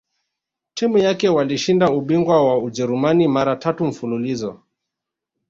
timu yake waloshinda ubingwa wa Ujerumani mara tatu mfululizo